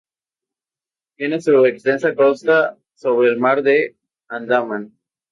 Tiene una extensa costa sobre el Mar de Andaman.